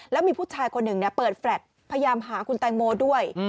แล้วมีผู้ชายคนหนึ่งเปิดแฟลตพยายามหาคุณแตงโมด้วย